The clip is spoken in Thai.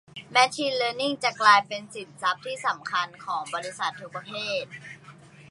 แมชชีนเลิร์นนิ่งจะกลายเป็นสินทรัพย์ที่สำคัญของบริษัททุกประเภท